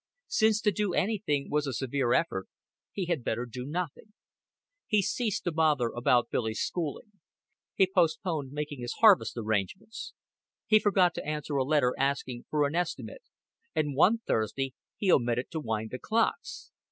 Since to do anything was a severe effort, he had better do nothing. He ceased to bother about Billy's schooling. He postponed making his harvest arrangements; he forgot to answer a letter asking for an estimate, and one Thursday he omitted to wind the clocks.